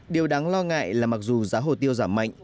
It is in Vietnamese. điều đáng lo ngại là mặc dù giá hồ tiêu giảm mạnh